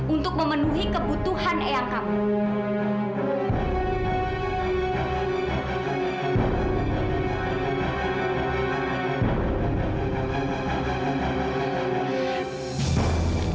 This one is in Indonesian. untuk memenuhi kebutuhan ea kamil